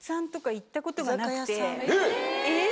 えっ！